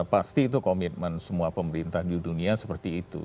pasti itu komitmen semua pemerintah di dunia seperti itu